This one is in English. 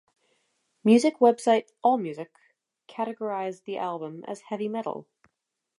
Music website AllMusic categorised the album as heavy metal.